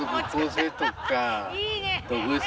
いいね！